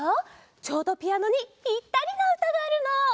ちょうどピアノにぴったりなうたがあるの！